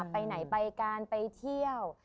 ไปไหนไปกันไปเที่ยว